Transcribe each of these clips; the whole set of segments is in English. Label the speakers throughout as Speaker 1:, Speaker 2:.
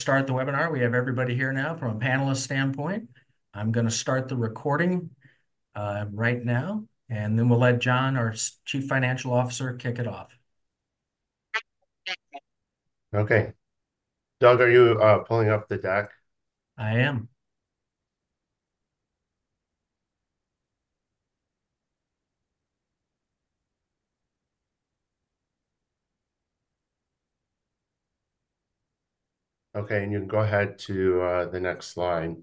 Speaker 1: Start the webinar. We have everybody here now from a panelist standpoint. I'm going to start the recording right now, and then we'll let John, our Chief Financial Officer, kick it off.
Speaker 2: Doug, are you pulling up the deck?
Speaker 1: I am.
Speaker 2: Okay. You can go ahead to the next slide.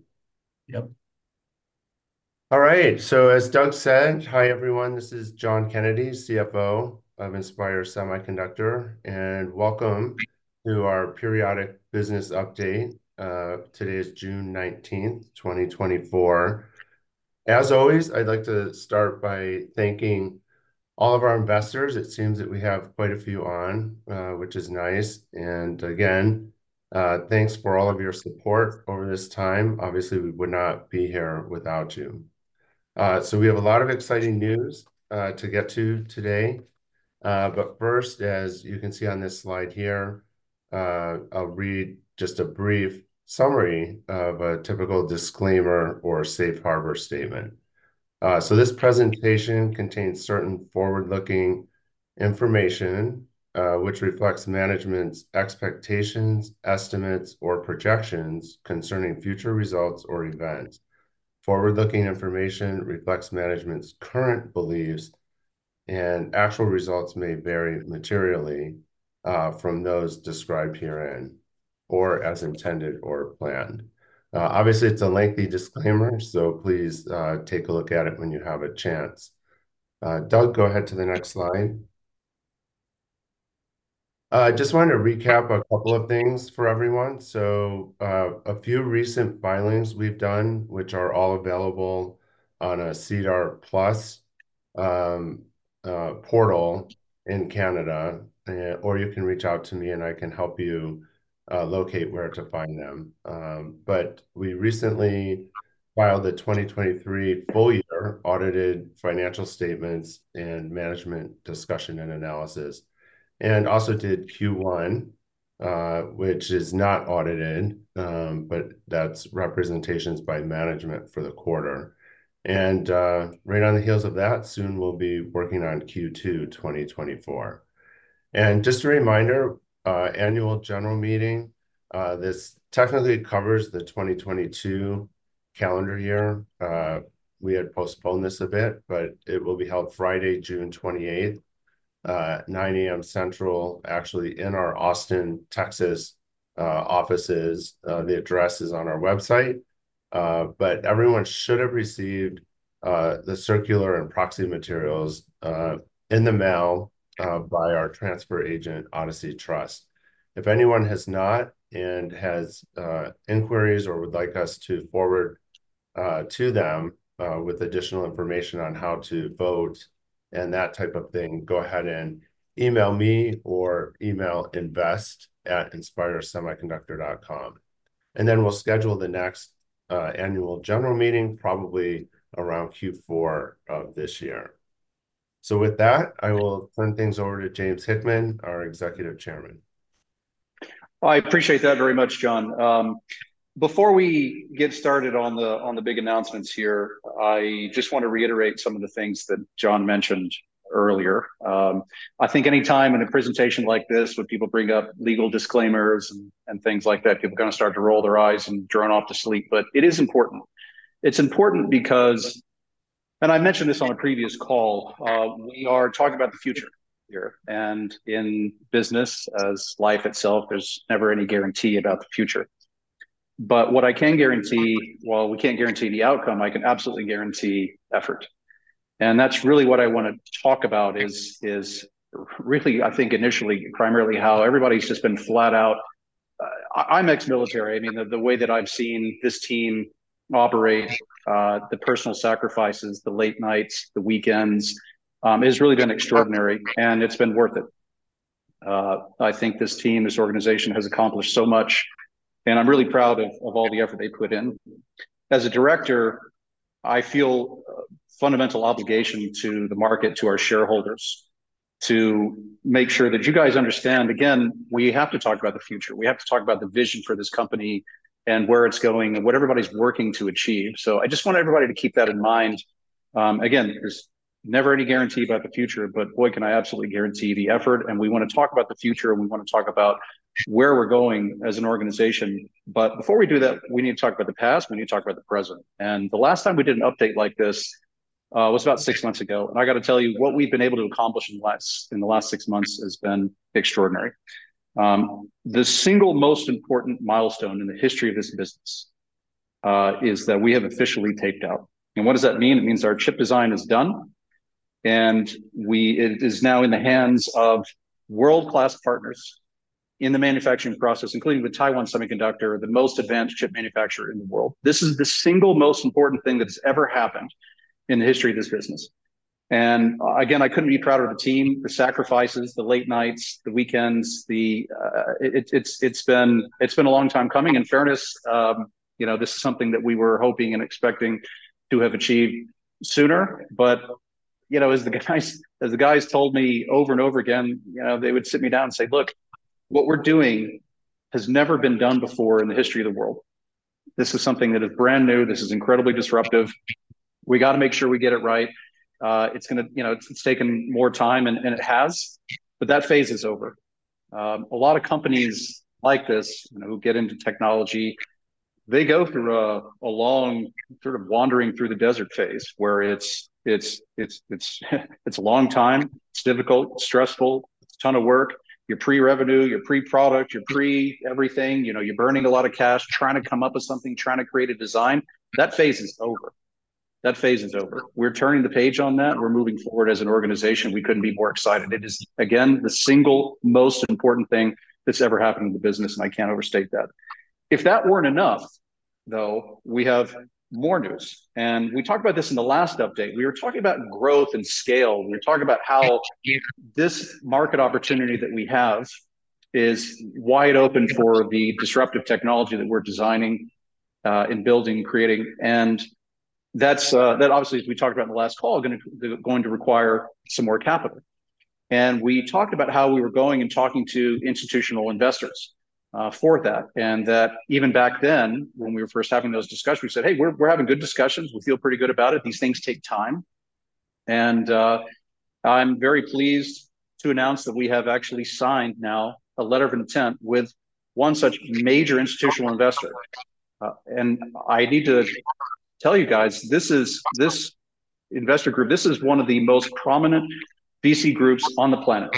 Speaker 1: Yep.
Speaker 2: All right. So, as Doug said, hi, everyone. This is John Kennedy, CFO of Inspire Semiconductor, and welcome to our periodic business update. Today is June 19th, 2024. As always, I'd like to start by thanking all of our investors. It seems that we have quite a few on, which is nice. And again, thanks for all of your support over this time. Obviously, we would not be here without you. So we have a lot of exciting news to get to today. But first, as you can see on this slide here, I'll read just a brief summary of a typical disclaimer or safe harbor statement. So this presentation contains certain forward-looking information, which reflects management's expectations, estimates, or projections concerning future results or events. Forward-looking information reflects management's current beliefs, and actual results may vary materially from those described herein or as intended or planned. Obviously, it's a lengthy disclaimer, so please take a look at it when you have a chance. Doug, go ahead to the next slide. I just wanted to recap a couple of things for everyone. A few recent filings we've done, which are all available on a SEDAR+ portal in Canada, or you can reach out to me and I can help you locate where to find them. We recently filed the 2023 full-year audited financial statements and management discussion and analysis, and also did Q1, which is not audited, but that's representations by management for the quarter. Right on the heels of that, soon we'll be working on Q2 2024. Just a reminder, annual general meeting, this technically covers the 2022 calendar year. We had postponed this a bit, but it will be held Friday, June 28th, 9:00 A.M. Central, actually in our Austin, Texas offices. The address is on our website. But everyone should have received the circular and proxy materials in the mail by our transfer agent, Odyssey Trust. If anyone has not and has inquiries or would like us to forward to them with additional information on how to vote and that type of thing, go ahead and email me or email invest@inspiresemiconductor.com. And then we'll schedule the next annual general meeting probably around Q4 of this year. So with that, I will turn things over to James Hickman, our Executive Chairman.
Speaker 3: Well, I appreciate that very much, John. Before we get started on the big announcements here, I just want to reiterate some of the things that John mentioned earlier. I think anytime in a presentation like this, when people bring up legal disclaimers and things like that, people kind of start to roll their eyes and drone off to sleep. But it is important. It's important because, and I mentioned this on a previous call, we are talking about the future here. And in business, as life itself, there's never any guarantee about the future. But what I can guarantee, while we can't guarantee the outcome, I can absolutely guarantee effort. And that's really what I want to talk about is really, I think, initially, primarily how everybody's just been flat out. I'm ex-military. I mean, the way that I've seen this team operate, the personal sacrifices, the late nights, the weekends, it's really been extraordinary, and it's been worth it. I think this team, this organization has accomplished so much, and I'm really proud of all the effort they put in. As a director, I feel a fundamental obligation to the market, to our shareholders, to make sure that you guys understand, again, we have to talk about the future. We have to talk about the vision for this company and where it's going and what everybody's working to achieve. So I just want everybody to keep that in mind. Again, there's never any guarantee about the future, but boy, can I absolutely guarantee the effort. And we want to talk about the future, and we want to talk about where we're going as an organization. But before we do that, we need to talk about the past. We need to talk about the present. And the last time we did an update like this was about six months ago. And I got to tell you what we've been able to accomplish in the last six months has been extraordinary. The single most important milestone in the history of this business is that we have officially taped out. And what does that mean? It means our chip design is done, and it is now in the hands of world-class partners in the manufacturing process, including the Taiwan Semiconductor, the most advanced chip manufacturer in the world. This is the single most important thing that's ever happened in the history of this business. And again, I couldn't be prouder of the team, the sacrifices, the late nights, the weekends. It's been a long time coming. In fairness, this is something that we were hoping and expecting to have achieved sooner. But as the guys told me over and over again, they would sit me down and say, "Look, what we're doing has never been done before in the history of the world. This is something that is brand new. This is incredibly disruptive. We got to make sure we get it right. It's taken more time, and it has." But that phase is over. A lot of companies like this who get into technology, they go through a long sort of wandering through the desert phase where it's a long time. It's difficult, it's stressful, it's a ton of work. Your pre-revenue, your pre-product, your pre-everything, you're burning a lot of cash, trying to come up with something, trying to create a design. That phase is over. That phase is over. We're turning the page on that. We're moving forward as an organization. We couldn't be more excited. It is, again, the single most important thing that's ever happened in the business, and I can't overstate that. If that weren't enough, though, we have more news. We talked about this in the last update. We were talking about growth and scale. We were talking about how this market opportunity that we have is wide open for the disruptive technology that we're designing and building, creating. That, obviously, as we talked about in the last call, is going to require some more capital. We talked about how we were going and talking to institutional investors for that. That even back then, when we were first having those discussions, we said, "Hey, we're having good discussions. We feel pretty good about it. These things take time." I'm very pleased to announce that we have actually signed now a letter of intent with one such major institutional investor. I need to tell you guys, this investor group, this is one of the most prominent VC groups on the planet.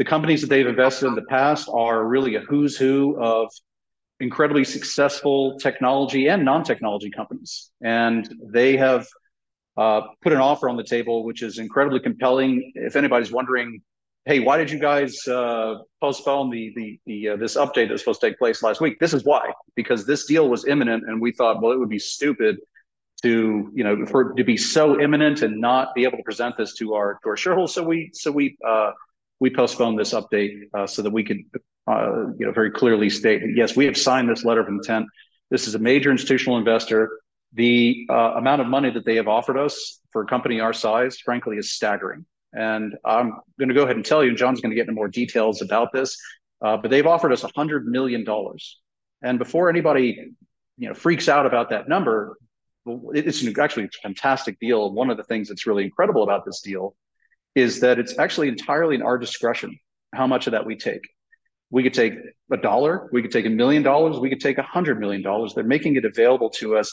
Speaker 3: The companies that they've invested in the past are really a who's who of incredibly successful technology and non-technology companies. They have put an offer on the table, which is incredibly compelling. If anybody's wondering, "Hey, why did you guys postpone this update that was supposed to take place last week?" This is why. Because this deal was imminent, and we thought, "Well, it would be stupid for it to be so imminent and not be able to present this to our shareholders." So we postponed this update so that we could very clearly state, "Yes, we have signed this letter of intent. This is a major institutional investor. The amount of money that they have offered us for a company our size, frankly, is staggering." And I'm going to go ahead and tell you, and John's going to get into more details about this, but they've offered us $100 million. And before anybody freaks out about that number, it's actually a fantastic deal. One of the things that's really incredible about this deal is that it's actually entirely in our discretion how much of that we take. We could take $1. We could take $1 million. We could take $100 million. They're making it available to us.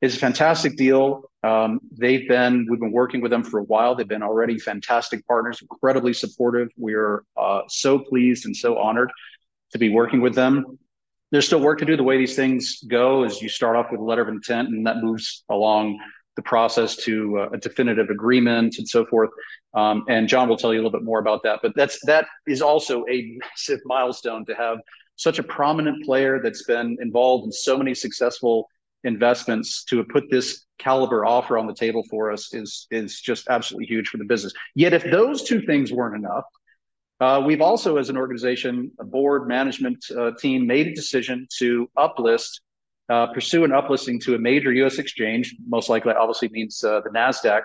Speaker 3: It's a fantastic deal. We've been working with them for a while. They've been already fantastic partners, incredibly supportive. We are so pleased and so honored to be working with them. There's still work to do. The way these things go is you start off with a letter of intent, and that moves along the process to a definitive agreement and so forth. And John will tell you a little bit more about that. But that is also a massive milestone to have such a prominent player that's been involved in so many successful investments to have put this caliber offer on the table for us is just absolutely huge for the business. Yet if those two things weren't enough, we've also, as an organization, a board management team made a decision to uplist, pursue an uplisting to a major U.S. exchange, most likely, obviously means the NASDAQ,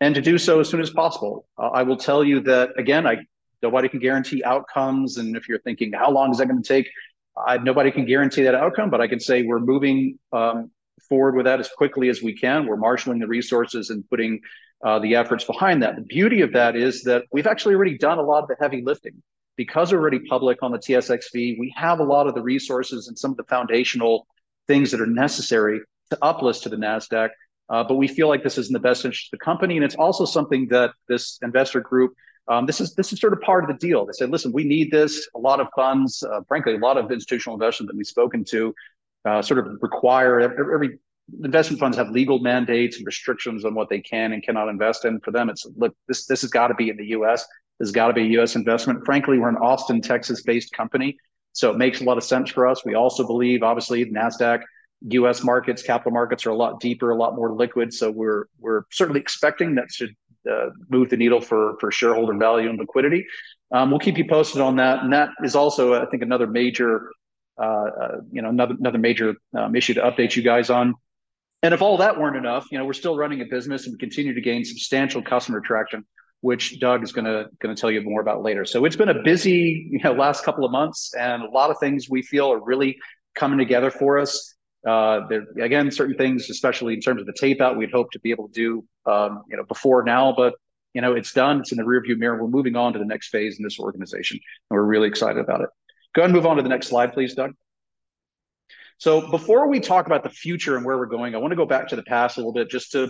Speaker 3: and to do so as soon as possible. I will tell you that, again, nobody can guarantee outcomes. If you're thinking, "How long is that going to take?" Nobody can guarantee that outcome, but I can say we're moving forward with that as quickly as we can. We're marshaling the resources and putting the efforts behind that. The beauty of that is that we've actually already done a lot of the heavy lifting. Because we're already public on the TSXV, we have a lot of the resources and some of the foundational things that are necessary to uplist to the NASDAQ. But we feel like this is in the best interest of the company. It's also something that this investor group, this is sort of part of the deal. They said, "Listen, we need this." A lot of funds, frankly, a lot of institutional investment that we've spoken to sort of require investment funds have legal mandates and restrictions on what they can and cannot invest in. For them, it's, "Look, this has got to be in the U.S. This has got to be a U.S. investment." Frankly, we're an Austin, Texas-based company, so it makes a lot of sense for us. We also believe, obviously, the NASDAQ U.S. markets, capital markets are a lot deeper, a lot more liquid. So we're certainly expecting that to move the needle for shareholder value and liquidity. We'll keep you posted on that. And that is also, I think, another major issue to update you guys on. And if all that weren't enough, we're still running a business and continue to gain substantial customer traction, which Doug is going to tell you more about later. So it's been a busy last couple of months, and a lot of things we feel are really coming together for us. Again, certain things, especially in terms of the tape out, we'd hoped to be able to do before now, but it's done. It's in the rearview mirror. We're moving on to the next phase in this organization, and we're really excited about it. Go ahead and move on to the next slide, please, Doug. So before we talk about the future and where we're going, I want to go back to the past a little bit just for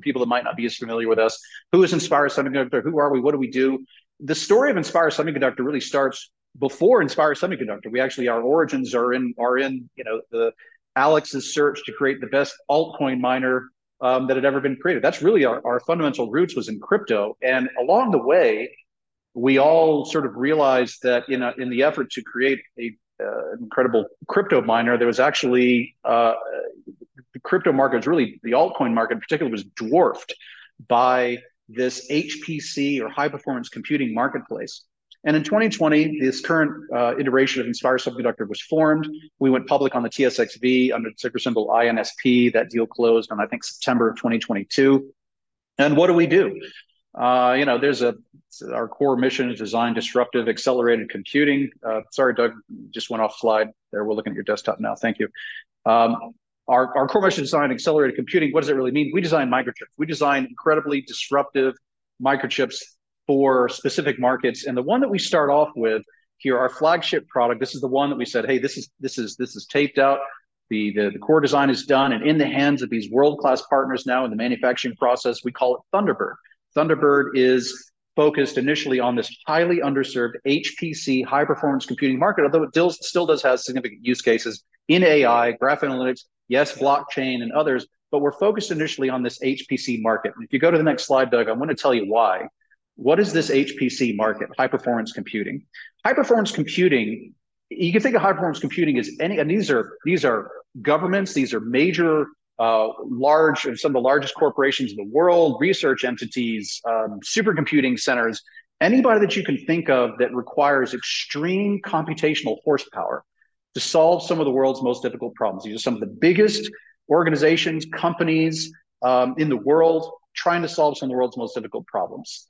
Speaker 3: people that might not be as familiar with us. Who is Inspire Semiconductor? Who are we? What do we do? The story of Inspire Semiconductor really starts before Inspire Semiconductor. Our origins are in Alex's search to create the best altcoin miner that had ever been created. That's really our fundamental roots was in crypto. And along the way, we all sort of realized that in the effort to create an incredible crypto miner, there was actually the crypto market was really the altcoin market in particular was dwarfed by this HPC or high-performance computing marketplace. And in 2020, this current iteration of Inspire Semiconductor was formed. We went public on the TSXV under ticker symbol INSP. That deal closed in, I think, September of 2022. And what do we do? Our core mission is designed disruptive accelerated computing. Sorry, Doug, just went off slide there. We're looking at your desktop now. Thank you. Our core mission designed accelerated computing, what does it really mean? We design microchips. We design incredibly disruptive microchips for specific markets. The one that we start off with here, our flagship product, this is the one that we said, "Hey, this is taped out. The core design is done." In the hands of these world-class partners now in the manufacturing process, we call it Thunderbird. Thunderbird is focused initially on this highly underserved HPC high-performance computing market, although it still does have significant use cases in AI, graph analytics, yes, blockchain, and others. We're focused initially on this HPC market. If you go to the next slide, Doug, I want to tell you why. What is this HPC market, high-performance computing? High-Performance Computing. You can think of high-performance computing as any of these: governments, these are major, large, and some of the largest corporations in the world, research entities, supercomputing centers, anybody that you can think of that requires extreme computational horsepower to solve some of the world's most difficult problems. These are some of the biggest organizations, companies in the world trying to solve some of the world's most difficult problems.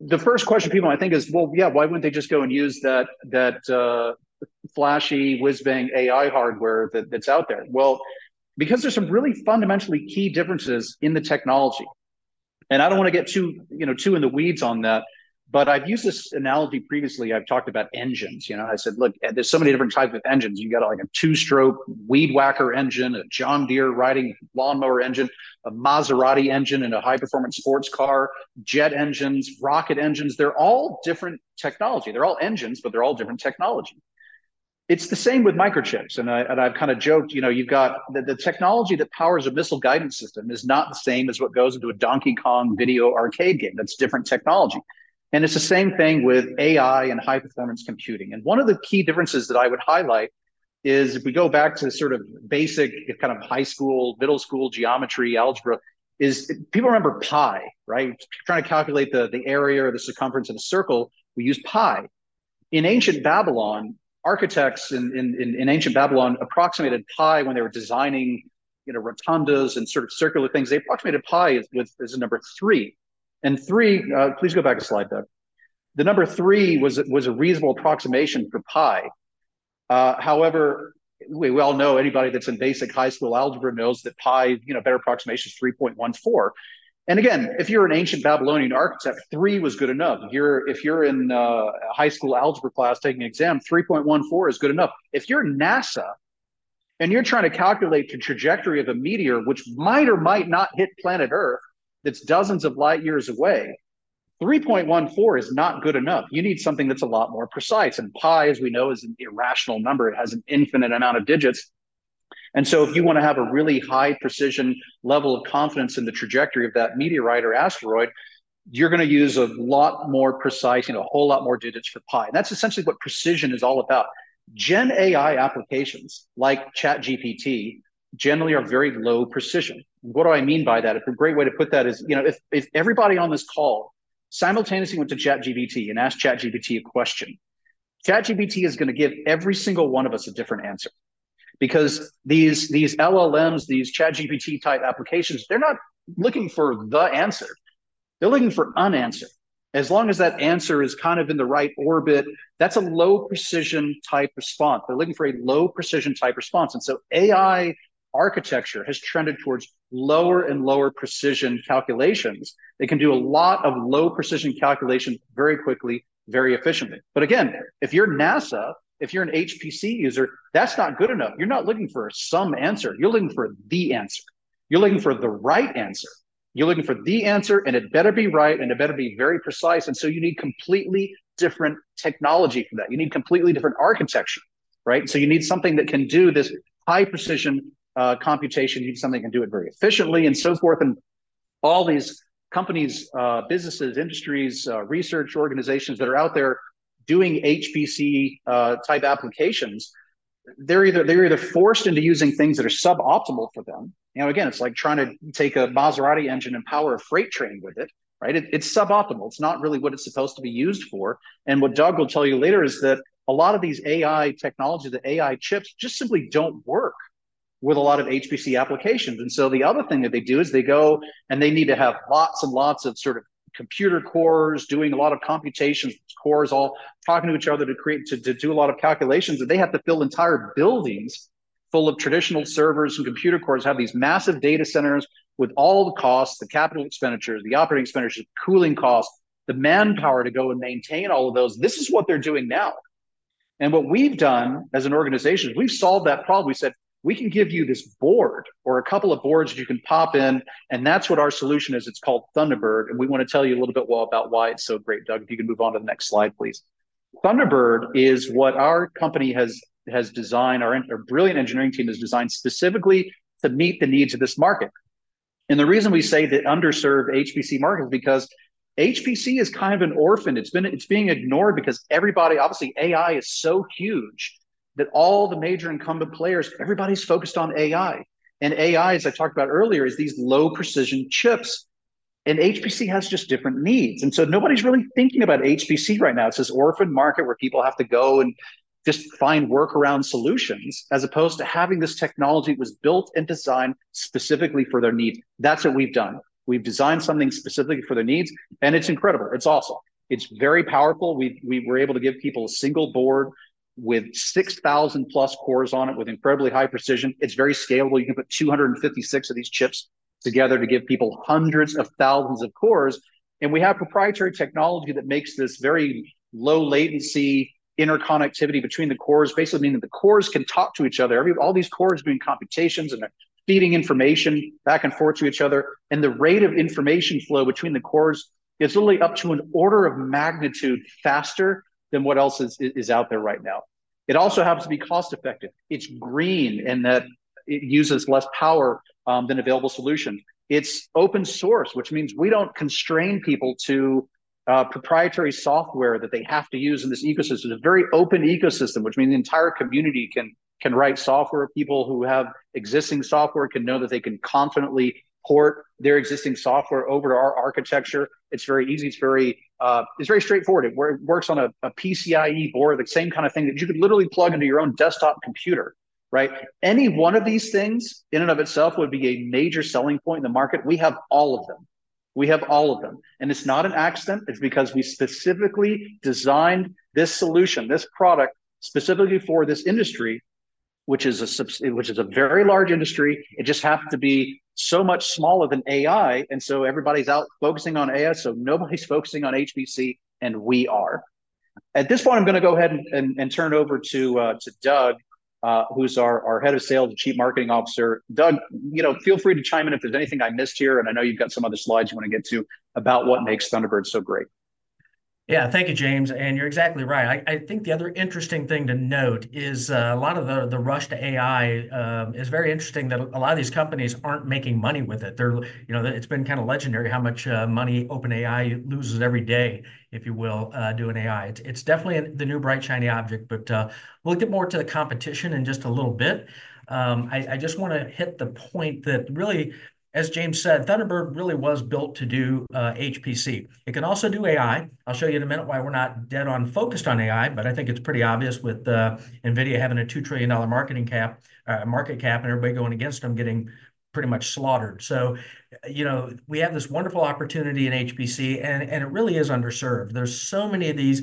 Speaker 3: The first question people might think is, "Well, yeah, why wouldn't they just go and use that flashy whiz-bang AI hardware that's out there?" Well, because there's some really fundamentally key differences in the technology. I don't want to get too in the weeds on that, but I've used this analogy previously. I've talked about engines. I said, "Look, there's so many different types of engines. You've got a two-stroke weed whacker engine, a John Deere riding lawnmower engine, a Maserati engine, and a high-performance sports car, jet engines, rocket engines. They're all different technology. They're all engines, but they're all different technology. It's the same with microchips. And I've kind of joked, "You've got the technology that powers a missile guidance system is not the same as what goes into a Donkey Kong video arcade game. That's different technology." And it's the same thing with AI and high-performance computing. And one of the key differences that I would highlight is if we go back to sort of basic kind of high school, middle school geometry, algebra, is people remember pi, right? Trying to calculate the area or the circumference of a circle, we use pi. In ancient Babylon, architects in ancient Babylon approximated pi when they were designing rotundas and sort of circular things. They approximated pi as a number three. Three, please go back a slide, Doug. The number three was a reasonable approximation for pi. However, we all know anybody that's in basic high school algebra knows that pi, better approximation is 3.14. Again, if you're an ancient Babylonian architect, three was good enough. If you're in high school algebra class taking an exam, 3.14 is good enough. If you're NASA and you're trying to calculate the trajectory of a meteor, which might or might not hit planet Earth that's dozens of light years away, 3.14 is not good enough. You need something that's a lot more precise. Pi, as we know, is an irrational number. It has an infinite amount of digits. If you want to have a really high precision level of confidence in the trajectory of that meteorite or asteroid, you're going to use a lot more precise and a whole lot more digits for pi. And that's essentially what precision is all about. Gen AI applications like ChatGPT generally are very low precision. What do I mean by that? A great way to put that is if everybody on this call simultaneously went to ChatGPT and asked ChatGPT a question, ChatGPT is going to give every single one of us a different answer. Because these LLMs, these ChatGPT-type applications, they're not looking for the answer. They're looking for an answer. As long as that answer is kind of in the right orbit, that's a low precision type response. They're looking for a low precision type response. AI architecture has trended towards lower and lower precision calculations. They can do a lot of low precision calculations very quickly, very efficiently. Again, if you're NASA, if you're an HPC user, that's not good enough. You're not looking for some answer. You're looking for the answer. You're looking for the right answer. You're looking for the answer, and it better be right, and it better be very precise. You need completely different technology for that. You need completely different architecture, right? You need something that can do this high precision computation. You need something that can do it very efficiently and so forth. All these companies, businesses, industries, research organizations that are out there doing HPC-type applications, they're either forced into using things that are suboptimal for them. Now, again, it's like trying to take a Maserati engine and power a freight train with it, right? It's suboptimal. It's not really what it's supposed to be used for. And what Doug will tell you later is that a lot of these AI technologies, the AI chips, just simply don't work with a lot of HPC applications. And so the other thing that they do is they go, and they need to have lots and lots of sort of computer cores doing a lot of computations, cores all talking to each other to do a lot of calculations. And they have to fill entire buildings full of traditional servers and computer cores, have these massive data centers with all the costs, the capital expenditures, the operating expenditures, the cooling costs, the manpower to go and maintain all of those. This is what they're doing now. What we've done as an organization is we've solved that problem. We said, "We can give you this board or a couple of boards that you can pop in, and that's what our solution is. It's called Thunderbird." We want to tell you a little bit more about why it's so great. Doug, if you can move on to the next slide, please. Thunderbird is what our company has designed. Our brilliant engineering team has designed specifically to meet the needs of this market. The reason we say that underserved HPC market is because HPC is kind of an orphan. It's being ignored because everybody, obviously, AI is so huge that all the major incumbent players, everybody's focused on AI. AI, as I talked about earlier, is these low precision chips. HPC has just different needs. So nobody's really thinking about HPC right now. It's this orphan market where people have to go and just find workaround solutions as opposed to having this technology that was built and designed specifically for their needs. That's what we've done. We've designed something specifically for their needs. And it's incredible. It's awesome. It's very powerful. We were able to give people a single board with 6,000+ cores on it with incredibly high precision. It's very scalable. You can put 256 of these chips together to give people hundreds of thousands of cores. And we have proprietary technology that makes this very low latency interconnectivity between the cores, basically meaning the cores can talk to each other. All these cores are doing computations and feeding information back and forth to each other. The rate of information flow between the cores is literally up to an order of magnitude faster than what else is out there right now. It also happens to be cost-effective. It's green in that it uses less power than available solutions. It's open source, which means we don't constrain people to proprietary software that they have to use in this ecosystem. It's a very open ecosystem, which means the entire community can write software. People who have existing software can know that they can confidently port their existing software over to our architecture. It's very easy. It's very straightforward. It works on a PCIe board, the same kind of thing that you could literally plug into your own desktop computer, right? Any one of these things in and of itself would be a major selling point in the market. We have all of them. We have all of them. And it's not an accident. It's because we specifically designed this solution, this product specifically for this industry, which is a very large industry. It just happens to be so much smaller than AI. And so everybody's out focusing on AI, so nobody's focusing on HPC, and we are. At this point, I'm going to go ahead and turn it over to Doug, who's our head of sales and chief marketing officer. Doug, feel free to chime in if there's anything I missed here. And I know you've got some other slides you want to get to about what makes Thunderbird so great.
Speaker 1: Yeah, thank you, James. And you're exactly right. I think the other interesting thing to note is a lot of the rush to AI is very interesting that a lot of these companies aren't making money with it. It's been kind of legendary how much money OpenAI loses every day, if you will, doing AI. It's definitely the new bright shiny object, but we'll get more to the competition in just a little bit. I just want to hit the point that really, as James said, Thunderbird really was built to do HPC. It can also do AI. I'll show you in a minute why we're not dead-on focused on AI, but I think it's pretty obvious with NVIDIA having a $2 trillion market cap, and everybody going against them getting pretty much slaughtered. So we have this wonderful opportunity in HPC, and it really is underserved. There's so many of these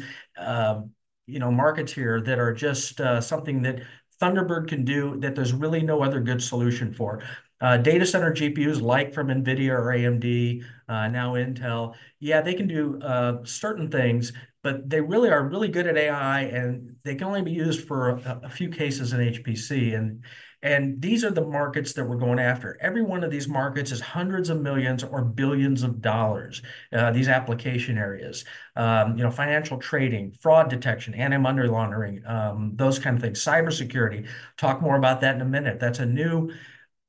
Speaker 1: markets here that are just something that Thunderbird can do that there's really no other good solution for. Data center GPUs like from NVIDIA or AMD, now Intel, yeah, they can do certain things, but they really are really good at AI, and they can only be used for a few cases in HPC. These are the markets that we're going after. Every one of these markets is $hundreds of millions or billions, these application areas. Financial trading, fraud detection, anti-money laundering, those kind of things. Cybersecurity, talk more about that in a minute. That's a new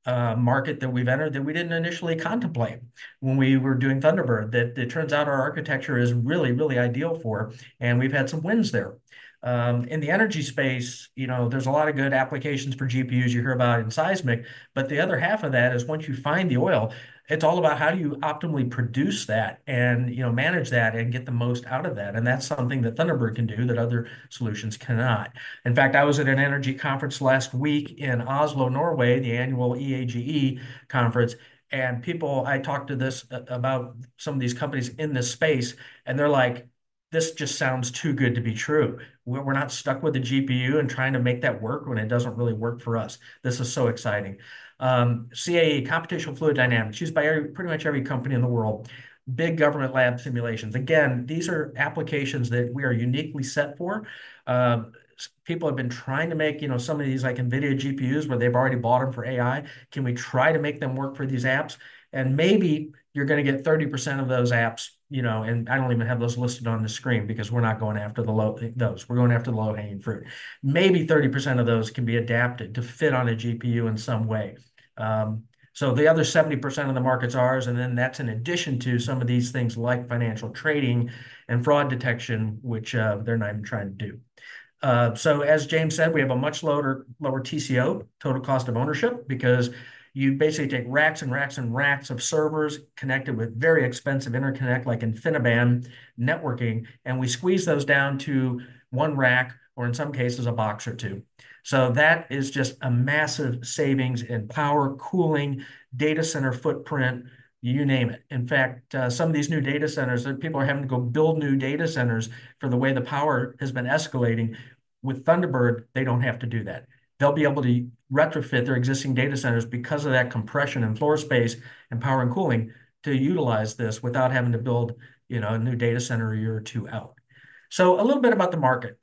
Speaker 1: market that we've entered that we didn't initially contemplate when we were doing Thunderbird that it turns out our architecture is really, really ideal for, and we've had some wins there. In the energy space, there's a lot of good applications for GPUs you hear about in seismic, but the other half of that is once you find the oil, it's all about how do you optimally produce that and manage that and get the most out of that. And that's something that Thunderbird can do that other solutions cannot. In fact, I was at an energy conference last week in Oslo, Norway, the annual EAGE conference. People, I talked about this to some of these companies in this space, and they're like, "This just sounds too good to be true. We're not stuck with the GPU and trying to make that work when it doesn't really work for us. This is so exciting." CAE, Computational Fluid Dynamics, used by pretty much every company in the world. Big government lab simulations. Again, these are applications that we are uniquely set for. People have been trying to make some of these NVIDIA GPUs where they've already bought them for AI. Can we try to make them work for these apps? And maybe you're going to get 30% of those apps, and I don't even have those listed on the screen because we're not going after those. We're going after the low-hanging fruit. Maybe 30% of those can be adapted to fit on a GPU in some way. So the other 70% of the markets are ours, and then that's in addition to some of these things like financial trading and fraud detection, which they're not even trying to do. So as James said, we have a much lower TCO, total cost of ownership, because you basically take racks and racks and racks of servers connected with very expensive interconnect like InfiniBand networking, and we squeeze those down to one rack or in some cases a box or two. So that is just a massive savings in power, cooling, data center footprint, you name it. In fact, some of these new data centers that people are having to go build new data centers for the way the power has been escalating with Thunderbird, they don't have to do that. They'll be able to retrofit their existing data centers because of that compression and floor space and power and cooling to utilize this without having to build a new data center a year or two out. So a little bit about the market.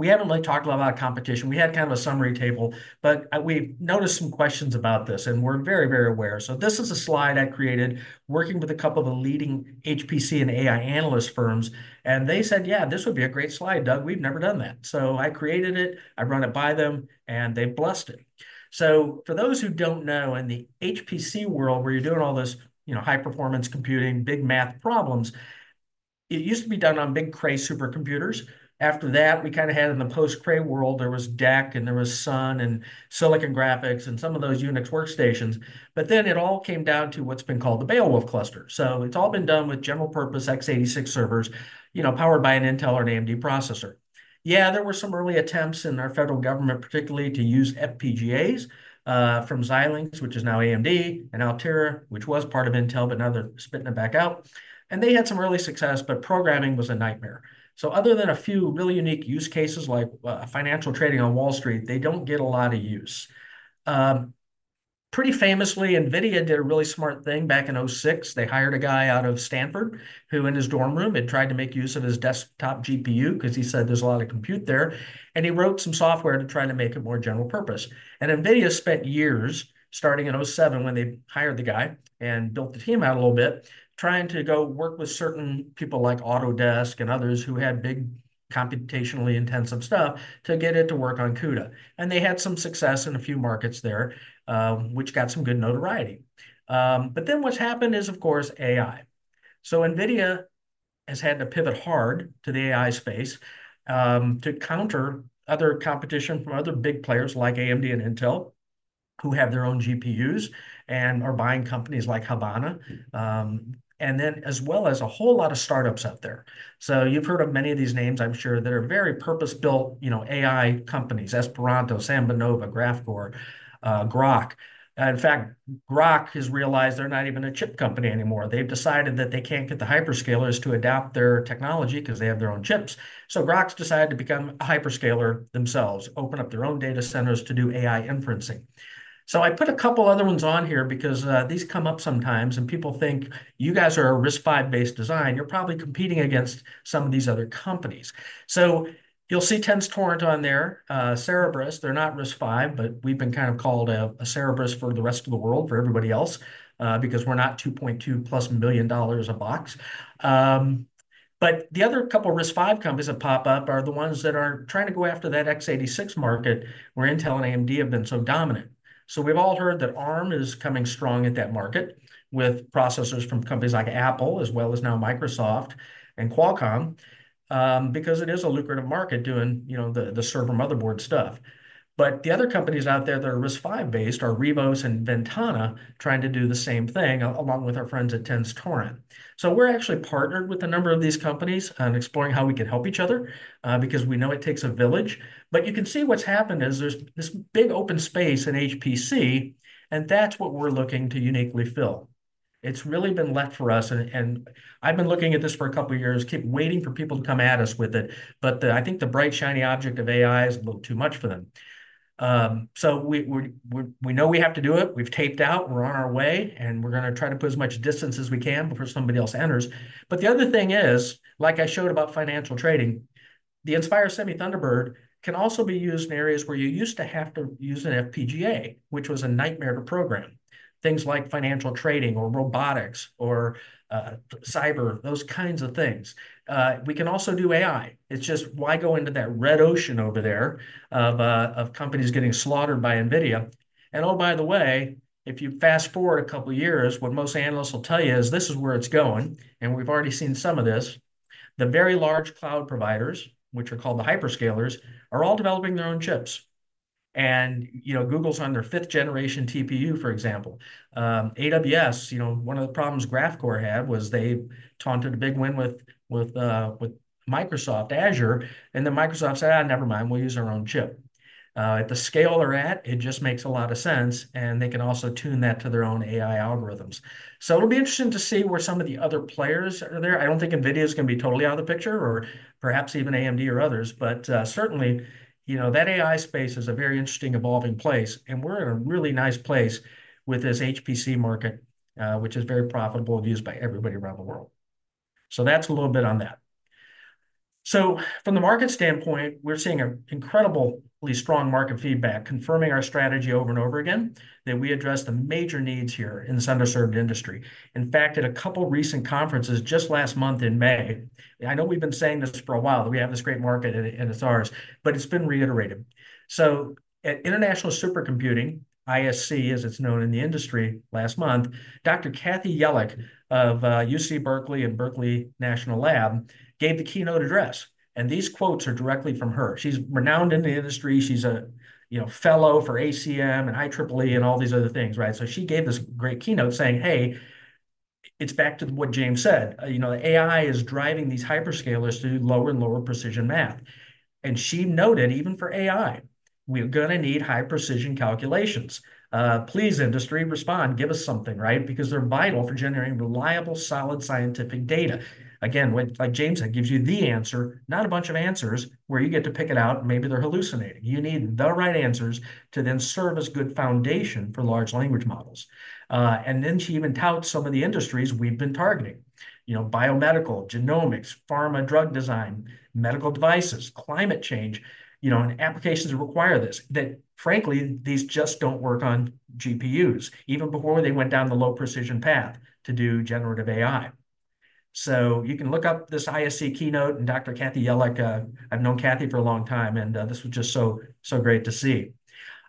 Speaker 1: We haven't really talked a lot about competition. We had kind of a summary table, but we've noticed some questions about this, and we're very, very aware. So this is a slide I created working with a couple of the leading HPC and AI analyst firms. And they said, "Yeah, this would be a great slide, Doug. We've never done that." So I created it. I brought it by them, and they blessed it. So for those who don't know, in the HPC world where you're doing all this high-performance computing, big math problems, it used to be done on big Cray supercomputers. After that, we kind of had in the post-Cray world, there was DEC and there was Sun and Silicon Graphics and some of those Unix workstations. But then it all came down to what's been called the Beowulf cluster. So it's all been done with general-purpose x86 servers powered by an Intel or an AMD processor. Yeah, there were some early attempts in our federal government, particularly to use FPGAs from Xilinx, which is now AMD, and Altera, which was part of Intel, but now they're spitting it back out. They had some early success, but programming was a nightmare. So other than a few really unique use cases like financial trading on Wall Street, they don't get a lot of use. Pretty famously, NVIDIA did a really smart thing back in 2006. They hired a guy out of Stanford who, in his dorm room, had tried to make use of his desktop GPU because he said there's a lot of compute there. He wrote some software to try to make it more general-purpose. NVIDIA spent years starting in 2007 when they hired the guy and built the team out a little bit, trying to go work with certain people like Autodesk and others who had big computationally intensive stuff to get it to work on CUDA. And they had some success in a few markets there, which got some good notoriety. But then what's happened is, of course, AI. So NVIDIA has had to pivot hard to the AI space to counter other competition from other big players like AMD and Intel, who have their own GPUs and are buying companies like Habana. And then as well as a whole lot of startups out there. So you've heard of many of these names, I'm sure, that are very purpose-built AI companies: Esperanto, SambaNova, Graphcore, Groq. In fact, Groq has realized they're not even a chip company anymore. They've decided that they can't get the hyperscalers to adapt their technology because they have their own chips. So Groq's decided to become a hyperscaler themselves, open up their own data centers to do AI inferencing. So I put a couple of other ones on here because these come up sometimes, and people think, "You guys are a RISC-V-based design. You're probably competing against some of these other companies." So you'll see Tenstorrent on there, Cerebras. They're not RISC-V, but we've been kind of called a Cerebras for the rest of the world, for everybody else, because we're not $2.2+ million a box. But the other couple of RISC-V companies that pop up are the ones that are trying to go after that x86 market where Intel and AMD have been so dominant. So we've all heard that ARM is coming strong at that market with processors from companies like Apple, as well as now Microsoft and Qualcomm, because it is a lucrative market doing the server motherboard stuff. But the other companies out there that are RISC-V-based are Rivos and Ventana trying to do the same thing along with our friends at Tenstorrent. So we're actually partnered with a number of these companies and exploring how we can help each other because we know it takes a village. But you can see what's happened is there's this big open space in HPC, and that's what we're looking to uniquely fill. It's really been left for us. And I've been looking at this for a couple of years, keep waiting for people to come at us with it. But I think the bright shiny object of AI is a little too much for them. So we know we have to do it. We've taped out. We're on our way, and we're going to try to put as much distance as we can before somebody else enters. But the other thing is, like I showed about financial trading, the Inspire Semi Thunderbird can also be used in areas where you used to have to use an FPGA, which was a nightmare to program. Things like financial trading or robotics or cyber, those kinds of things. We can also do AI. It's just why go into that red ocean over there of companies getting slaughtered by NVIDIA? And oh, by the way, if you fast forward a couple of years, what most analysts will tell you is this is where it's going. And we've already seen some of this. The very large cloud providers, which are called the hyperscalers, are all developing their own chips. Google's on their 5th-generation TPU, for example. AWS, one of the problems Graphcore had was they touted a big win with Microsoft Azure. And then Microsoft said, "Never mind. We'll use our own chip." At the scale they're at, it just makes a lot of sense. And they can also tune that to their own AI algorithms. So it'll be interesting to see where some of the other players are there. I don't think NVIDIA is going to be totally out of the picture or perhaps even AMD or others. But certainly, that AI space is a very interesting evolving place. And we're in a really nice place with this HPC market, which is very profitable and used by everybody around the world. So that's a little bit on that. So from the market standpoint, we're seeing incredibly strong market feedback confirming our strategy over and over again that we address the major needs here in this underserved industry. In fact, at a couple of recent conferences just last month in May, I know we've been saying this for a while that we have this great market and it's ours, but it's been reiterated. So at International Supercomputing, ISC, as it's known in the industry last month, Dr. Kathy Yelick of UC Berkeley and Berkeley National Lab gave the keynote address. And these quotes are directly from her. She's renowned in the industry. She's a fellow for ACM and IEEE and all these other things, right? So she gave this great keynote saying, "Hey, it's back to what James said. AI is driving these hyperscalers to do lower and lower precision math." And she noted, "Even for AI, we're going to need high-precision calculations. Please, industry, respond. Give us something, right? Because they're vital for generating reliable, solid scientific data." Again, like James said, it gives you the answer, not a bunch of answers where you get to pick it out. Maybe they're hallucinating. You need the right answers to then serve as good foundation for large language models. And then she even touts some of the industries we've been targeting: biomedical, genomics, pharma drug design, medical devices, climate change, and applications that require this, that frankly, these just don't work on GPUs, even before they went down the low-precision path to do generative AI. So you can look up this ISC keynote and Dr. Kathy Yelick. I've known Kathy for a long time, and this was just so great to see.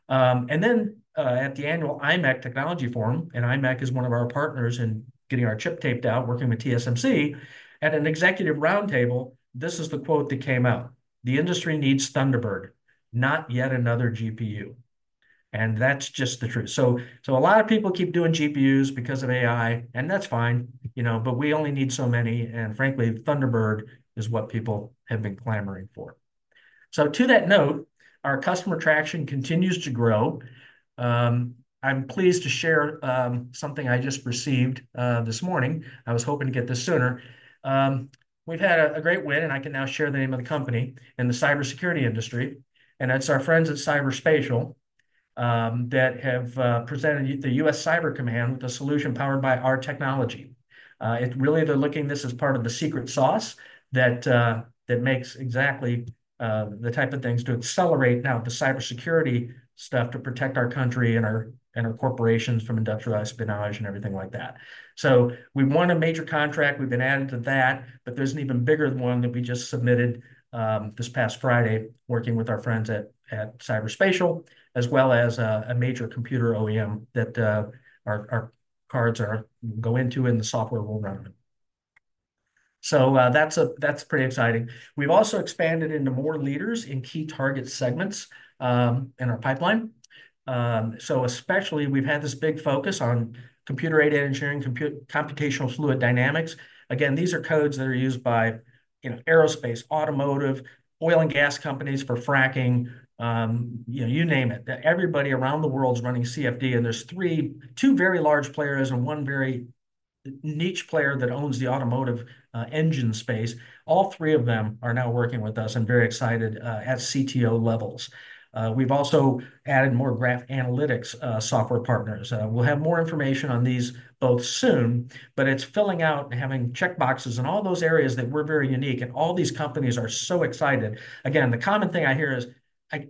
Speaker 1: Then at the annual imec Technology Forum, and imec is one of our partners in getting our chip taped out, working with TSMC, at an executive roundtable, this is the quote that came out: "The industry needs Thunderbird, not yet another GPU." That's just the truth. A lot of people keep doing GPUs because of AI, and that's fine. But we only need so many. Frankly, Thunderbird is what people have been clamoring for. To that note, our customer traction continues to grow. I'm pleased to share something I just received this morning. I was hoping to get this sooner. We've had a great win, and I can now share the name of the company in the cybersecurity industry. It's our friends at Cyberspatial that have presented the U.S. Cyber Command with a solution powered by our technology. Really, they're looking at this as part of the secret sauce that makes exactly the type of things to accelerate now the cybersecurity stuff to protect our country and our corporations from industrialized espionage and everything like that. So we won a major contract. We've been added to that, but there's an even bigger one that we just submitted this past Friday, working with our friends at Cyberspatial, as well as a major computer OEM that our cards go into and the software will run them. So that's pretty exciting. We've also expanded into more leaders in key target segments in our pipeline. So especially, we've had this big focus on computer-aided engineering, computational fluid dynamics. Again, these are codes that are used by aerospace, automotive, oil and gas companies for fracking, you name it. Everybody around the world is running CFD, and there's two very large players and one very niche player that owns the automotive engine space. All three of them are now working with us and very excited at CTO levels. We've also added more graph analytics software partners. We'll have more information on these both soon, but it's filling out and having checkboxes and all those areas that we're very unique. And all these companies are so excited. Again, the common thing I hear is,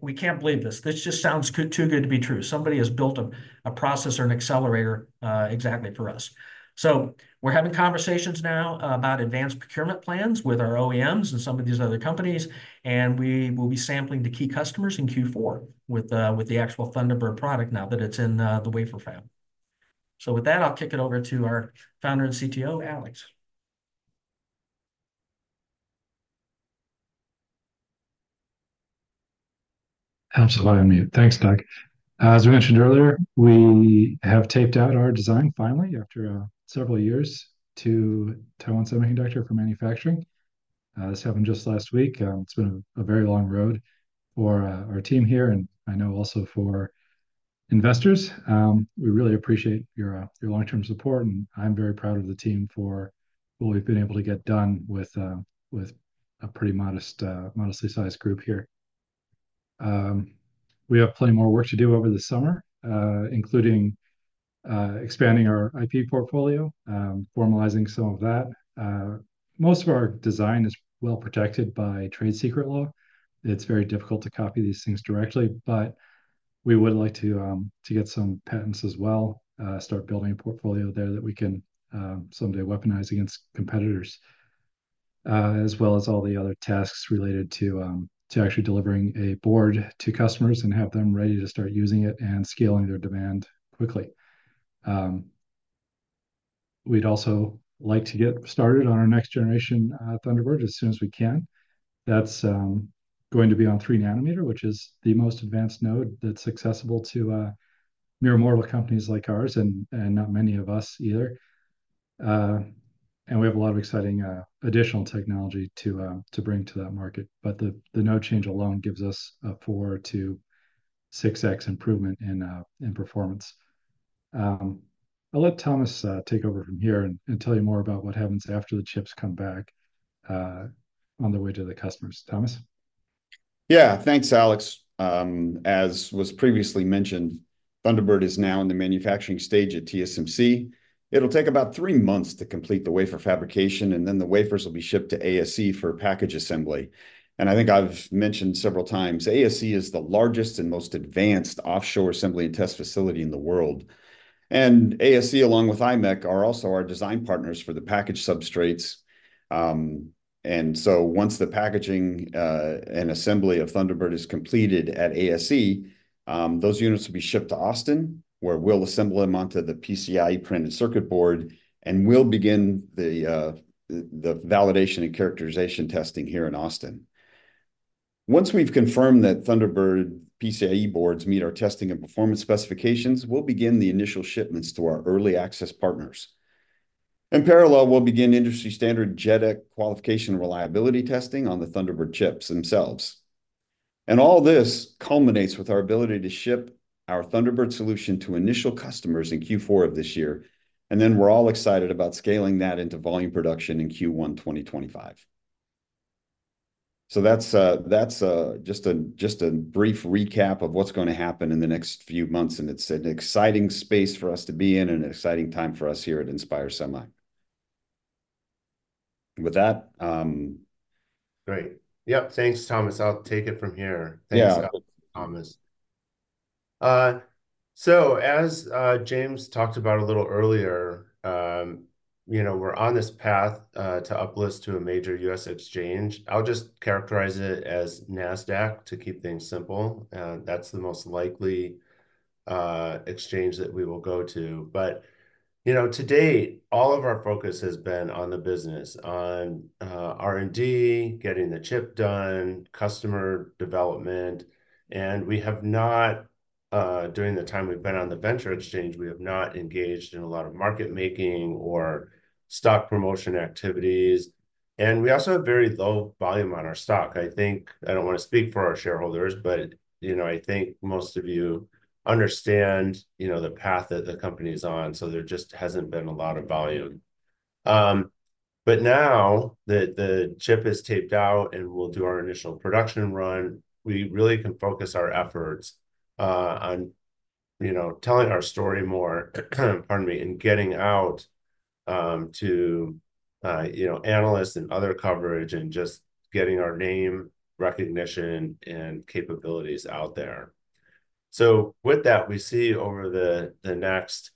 Speaker 1: "We can't believe this. This just sounds too good to be true. Somebody has built a processor and accelerator exactly for us." So we're having conversations now about advanced procurement plans with our OEMs and some of these other companies. We will be sampling to key customers in Q4 with the actual Thunderbird product now that it's in the wafer fab. With that, I'll kick it over to our founder and CTO, Alex.
Speaker 4: Absolutely. Thanks, Doug. As we mentioned earlier, we have taped out our design finally after several years to Taiwan Semiconductor for manufacturing. This happened just last week. It's been a very long road for our team here and I know also for investors. We really appreciate your long-term support, and I'm very proud of the team for what we've been able to get done with a pretty modestly sized group here. We have plenty more work to do over the summer, including expanding our IP portfolio, formalizing some of that. Most of our design is well protected by trade secret law. It's very difficult to copy these things directly, but we would like to get some patents as well, start building a portfolio there that we can someday weaponize against competitors, as well as all the other tasks related to actually delivering a board to customers and have them ready to start using it and scaling their demand quickly. We'd also like to get started on our next generation Thunderbird as soon as we can. That's going to be on 3 nanometer, which is the most advanced node that's accessible to mere mortal companies like ours and not many of us either. And we have a lot of exciting additional technology to bring to that market. But the node change alone gives us a 4x-6x improvement in performance. I'll let Thomas take over from here and tell you more about what happens after the chips come back on the way to the customers. Thomas.
Speaker 5: Yeah. Thanks, Alex. As was previously mentioned, Thunderbird is now in the manufacturing stage at TSMC. It'll take about three months to complete the wafer fabrication, and then the wafers will be shipped to ASE for package assembly. I think I've mentioned several times, ASE is the largest and most advanced offshore assembly and test facility in the world. ASE, along with imec, are also our design partners for the package substrates. So once the packaging and assembly of Thunderbird is completed at ASE, those units will be shipped to Austin, where we'll assemble them onto the PCIe printed circuit board, and we'll begin the validation and characterization testing here in Austin. Once we've confirmed that Thunderbird PCIe boards meet our testing and performance specifications, we'll begin the initial shipments to our early access partners. In parallel, we'll begin industry-standard JEDEC qualification and reliability testing on the Thunderbird chips themselves. And all this culminates with our ability to ship our Thunderbird solution to initial customers in Q4 of this year. And then we're all excited about scaling that into volume production in Q1 2025. So that's just a brief recap of what's going to happen in the next few months. And it's an exciting space for us to be in and an exciting time for us here at Inspire Semi. With that.
Speaker 4: Great. Yep. Thanks, Thomas. I'll take it from here. Thanks, Thomas. So as James talked about a little earlier, we're on this path to uplist to a major U.S. exchange. I'll just characterize it as NASDAQ to keep things simple. That's the most likely exchange that we will go to. But to date, all of our focus has been on the business, on R&D, getting the chip done, customer development. And we have not, during the time we've been on the venture exchange, we have not engaged in a lot of market making or stock promotion activities. And we also have very low volume on our stock. I don't want to speak for our shareholders, but I think most of you understand the path that the company is on. So there just hasn't been a lot of volume. Now that the chip is tape out and we'll do our initial production run, we really can focus our efforts on telling our story more, pardon me, and getting out to analysts and other coverage and just getting our name, recognition, and capabilities out there. So with that, we see over the next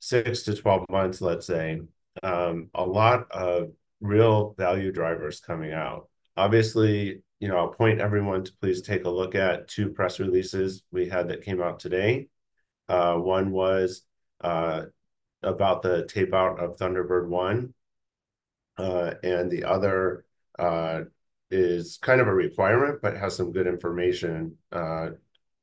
Speaker 4: six-12 months, let's say, a lot of real value drivers coming out. Obviously, I'll point everyone to please take a look at two press releases we had that came out today. One was about the tape out of Thunderbird I. The other is kind of a requirement, but has some good information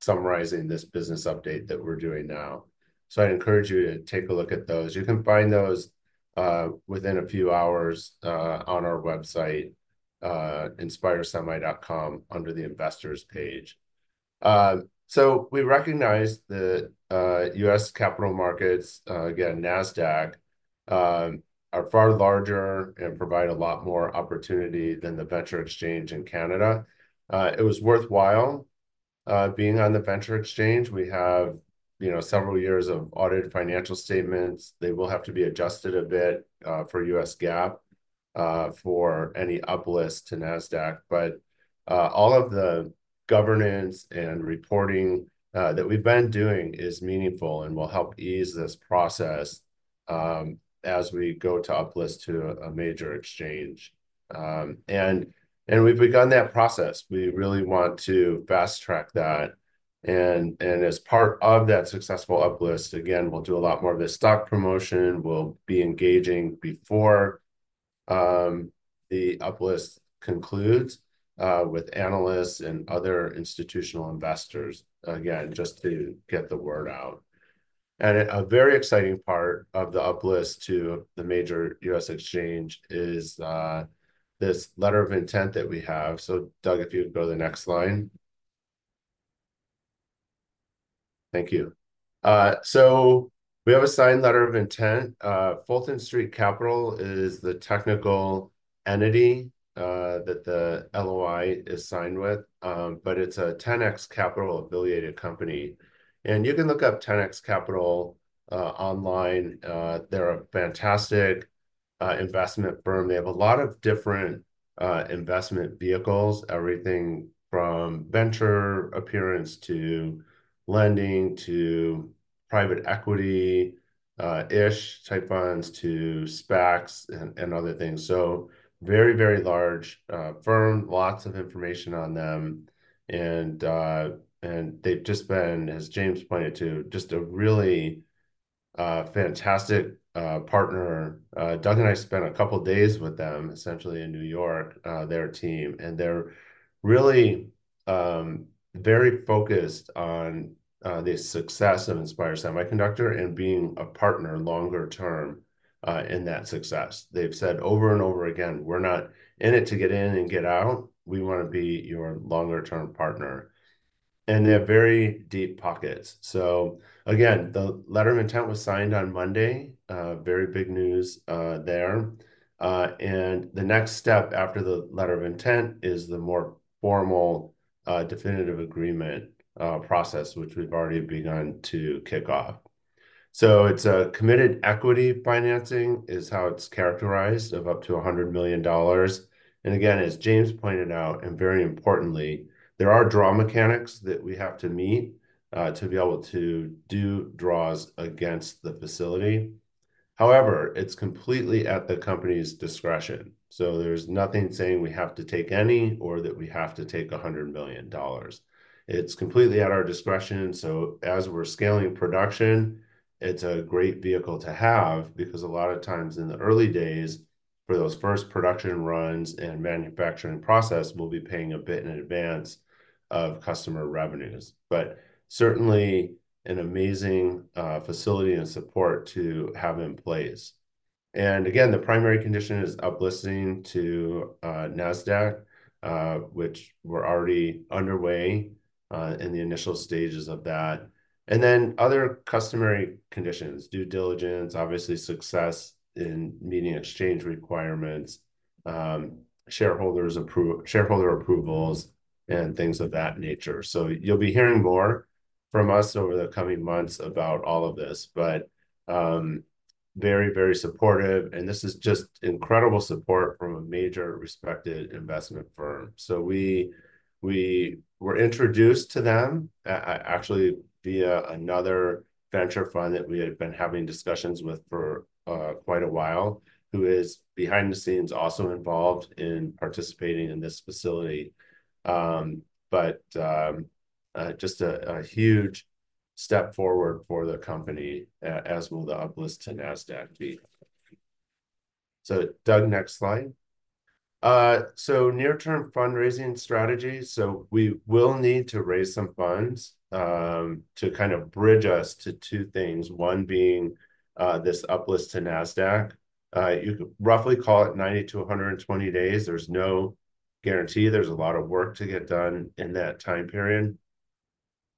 Speaker 4: summarizing this business update that we're doing now. So I encourage you to take a look at those. You can find those within a few hours on our website, inspiresemi.com, under the investors page. So we recognize the U.S. capital markets, again, NASDAQ, are far larger and provide a lot more opportunity than the venture exchange in Canada. It was worthwhile being on the venture exchange. We have several years of audited financial statements. They will have to be adjusted a bit for U.S. GAAP for any uplist to NASDAQ. But all of the governance and reporting that we've been doing is meaningful and will help ease this process as we go to uplist to a major exchange. And we've begun that process. We really want to fast track that. And as part of that successful uplist, again, we'll do a lot more of this stock promotion. We'll be engaging before the uplist concludes with analysts and other institutional investors, again, just to get the word out. A very exciting part of the uplist to the major U.S. exchange is this letter of intent that we have. So Doug, if you could go to the next line. Thank you. We have a signed letter of intent. Fulton Street Capital is the technical entity that the LOI is signed with, but it's a 10X Capital affiliated company. You can look up 10X Capital online. They're a fantastic investment firm. They have a lot of different investment vehicles, everything from venture capital to lending to private equity-ish type funds to SPACs and other things. Very, very large firm, lots of information on them. They've just been, as James pointed to, just a really fantastic partner. Doug and I spent a couple of days with them, essentially in New York, their team. They're really very focused on the success of Inspire Semiconductor and being a partner longer term in that success. They've said over and over again, "We're not in it to get in and get out. We want to be your longer-term partner." They have very deep pockets. Again, the letter of intent was signed on Monday. Very big news there. The next step after the letter of intent is the more formal definitive agreement process, which we've already begun to kick off. It's a committed equity financing is how it's characterized, of up to $100 million. Again, as James pointed out, and very importantly, there are draw mechanics that we have to meet to be able to do draws against the facility. However, it's completely at the company's discretion. So there's nothing saying we have to take any or that we have to take $100 million. It's completely at our discretion. So as we're scaling production, it's a great vehicle to have because a lot of times in the early days for those first production runs and manufacturing process, we'll be paying a bit in advance of customer revenues. But certainly an amazing facility and support to have in place. And again, the primary condition is uplisting to NASDAQ, which we're already underway in the initial stages of that. And then other customary conditions, due diligence, obviously success in meeting exchange requirements, shareholder approvals, and things of that nature. So you'll be hearing more from us over the coming months about all of this, but very, very supportive. And this is just incredible support from a major respected investment firm. So we were introduced to them actually via another venture fund that we had been having discussions with for quite a while, who is behind the scenes also involved in participating in this facility. But just a huge step forward for the company as we'll uplist to NASDAQ. So Doug, next slide. So near-term fundraising strategy. So we will need to raise some funds to kind of bridge us to two things. One being this uplist to NASDAQ. You could roughly call it 90-120 days. There's no guarantee. There's a lot of work to get done in that time period.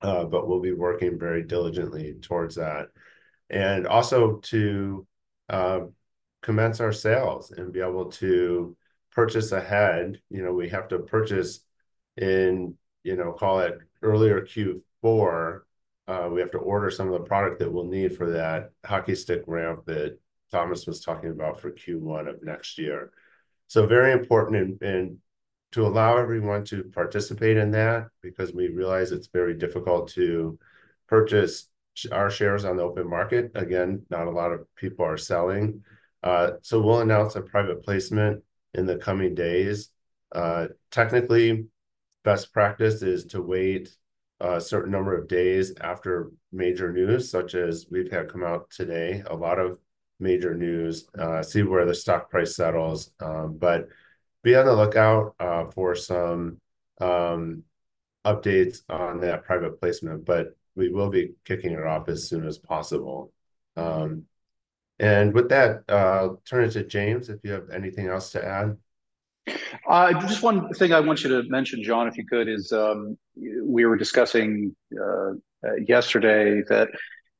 Speaker 4: But we'll be working very diligently towards that. And also to commence our sales and be able to purchase ahead. We have to purchase in, call it earlier Q4. We have to order some of the product that we'll need for that hockey stick ramp that Thomas was talking about for Q1 of next year. So very important to allow everyone to participate in that because we realize it's very difficult to purchase our shares on the open market. Again, not a lot of people are selling. So we'll announce a private placement in the coming days. Technically, best practice is to wait a certain number of days after major news, such as we've had come out today, a lot of major news, see where the stock price settles. But be on the lookout for some updates on that private placement. But we will be kicking it off as soon as possible. With that, I'll turn it to James if you have anything else to add.
Speaker 3: Just one thing I want you to mention, John, if you could, is we were discussing yesterday that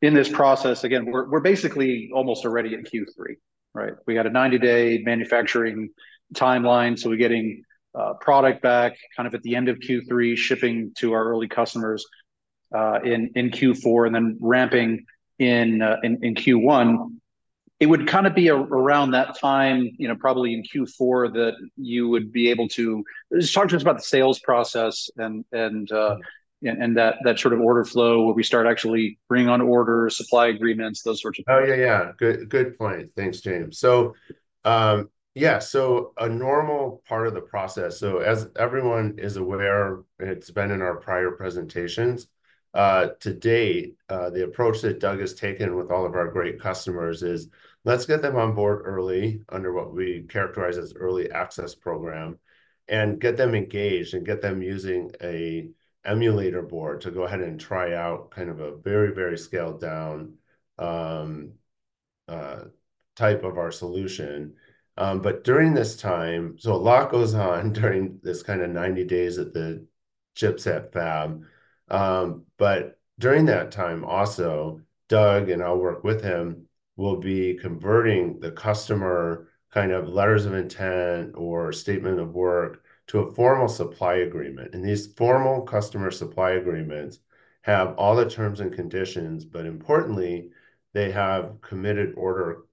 Speaker 3: in this process, again, we're basically almost already at Q3, right? We had a 90-day manufacturing timeline. So we're getting product back kind of at the end of Q3, shipping to our early customers in Q4, and then ramping in Q1. It would kind of be around that time, probably in Q4, that you would be able to just talk to us about the sales process and that sort of order flow where we start actually bringing on orders, supply agreements, those sorts of things.
Speaker 2: Oh, yeah, yeah. Good point. Thanks, James. So yeah, so a normal part of the process. So as everyone is aware, it's been in our prior presentations. To date, the approach that Doug has taken with all of our great customers is let's get them on board early under what we characterize as early access program and get them engaged and get them using an emulator board to go ahead and try out kind of a very, very scaled-down type of our solution. But during this time, so a lot goes on during this kind of 90 days at the chipset fab. But during that time, also, Doug and I'll work with him, will be converting the customer kind of letters of intent or statement of work to a formal supply agreement. These formal customer supply agreements have all the terms and conditions, but importantly, they have committed order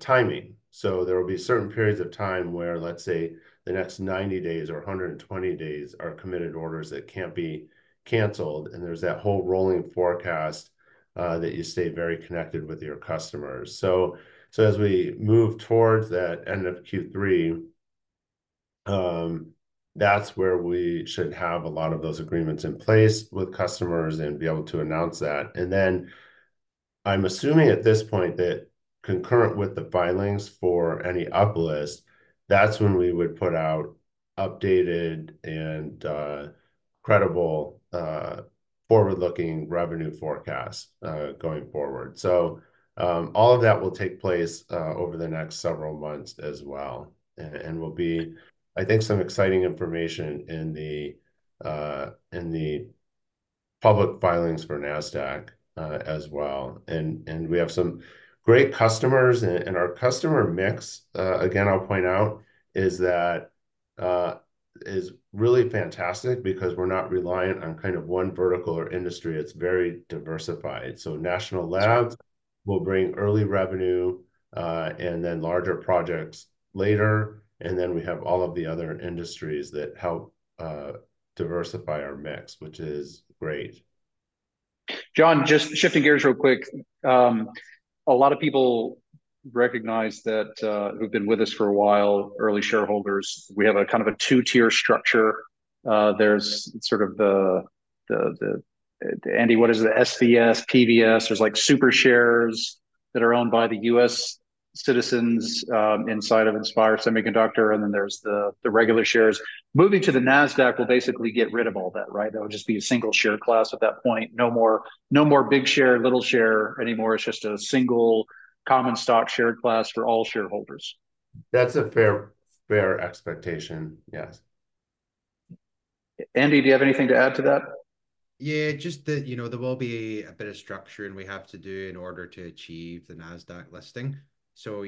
Speaker 2: timing. So there will be certain periods of time where, let's say, the next 90 days or 120 days are committed orders that can't be canceled. And there's that whole rolling forecast that you stay very connected with your customers. So as we move towards that end of Q3, that's where we should have a lot of those agreements in place with customers and be able to announce that. And then I'm assuming at this point that concurrent with the filings for any uplist, that's when we would put out updated and credible forward-looking revenue forecasts going forward. So all of that will take place over the next several months as well. And we'll be, I think, some exciting information in the public filings for NASDAQ as well. We have some great customers. Our customer mix, again, I'll point out, is really fantastic because we're not reliant on kind of one vertical or industry. It's very diversified. National Labs will bring early revenue and then larger projects later. Then we have all of the other industries that help diversify our mix, which is great.
Speaker 3: John, just shifting gears real quick. A lot of people recognize that who've been with us for a while, early shareholders, we have a kind of a two-tier structure. There's sort of the, Andy, what is it, SVS, PVS. There's super shares that are owned by the U.S. citizens inside of Inspire Semiconductor. And then there's the regular shares. Moving to the NASDAQ will basically get rid of all that, right? That would just be a single share class at that point. No more big share, little share anymore. It's just a single common stock share class for all shareholders.
Speaker 2: That's a fair expectation. Yes.
Speaker 3: Andy, do you have anything to add to that?
Speaker 6: Yeah, just that there will be a bit of structure we have to do in order to achieve the NASDAQ listing. So